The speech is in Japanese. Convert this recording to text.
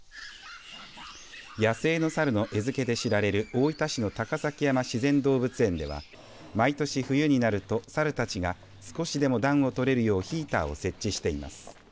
野生のサルの餌付けで知られる大分市の高崎山自然動物園では毎年、冬になるとサルたちが少しでも暖を取れるようヒーターを設置しています。